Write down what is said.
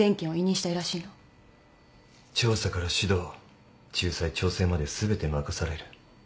調査から指導仲裁調整まで全て任される。